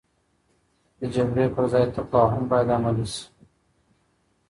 د جګړې پر ځای تفاهم باید عملي شي.